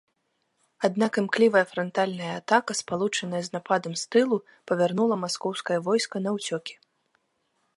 Аднак, імклівая франтальная атака, спалучаная з нападам з тылу, павярнула маскоўскае войска наўцёкі.